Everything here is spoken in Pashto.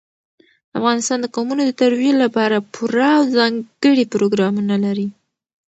افغانستان د قومونه د ترویج لپاره پوره او ځانګړي پروګرامونه لري.